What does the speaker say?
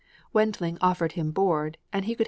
Wendling offered him board, and he could {L.